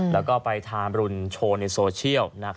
แล้วก็ไปทามรุนโชว์ในโซเชียล